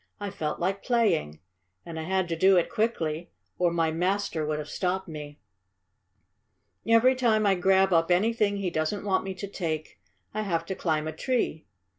"I felt like playing. And I had to do it quickly, or my master would have stopped me. Every time I grab up anything he doesn't want me to take, I have to climb a tree.